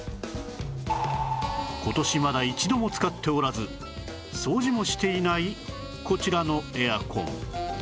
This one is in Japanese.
今年まだ一度も使っておらず掃除もしていないこちらのエアコン